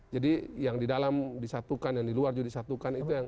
jadi yang di dalam disatukan yang di luar disatukan itu yang